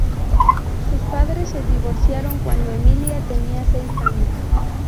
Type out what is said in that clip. Sus padres se divorciaron cuando Emilia tenía seis años.